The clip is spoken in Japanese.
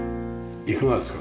いかがですか？